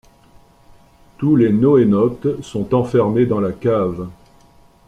Tous les NoéNautes sont enfermés dans la cave.